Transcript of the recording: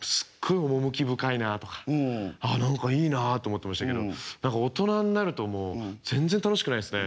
趣深いなあとかああ何かいいなあと思ってましたけど何か大人になるともう全然楽しくないっすね。